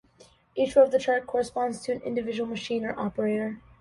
Each row of the chart corresponds to an individual machine or operator.